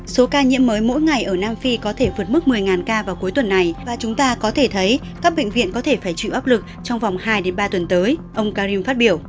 số ca nhiễm mới mỗi ngày ở nam phi có thể vượt mức một mươi ca vào cuối tuần này và chúng ta có thể thấy các bệnh viện có thể phải chịu áp lực trong vòng hai ba tuần tới ông karim phát biểu